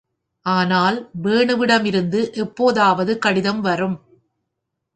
ஆனால் வேணுவிடமிருந்து எப்போதாவது கடிதம் வரும்.